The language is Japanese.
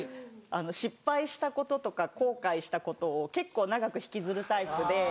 失敗したこととか後悔したことを結構長く引きずるタイプで。